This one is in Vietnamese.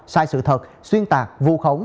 sai sự thật xuyên tạc vù khống